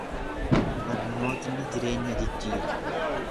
Barnootni jireenya jijjiira.